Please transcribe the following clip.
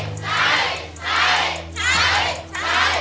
ใช่